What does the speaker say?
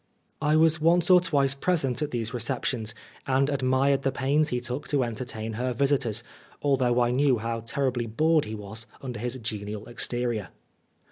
I was once or twice present at these receptions, and admired the pains he took to entertain her visitors, although I knew how terribly bored he was under his genial exterior.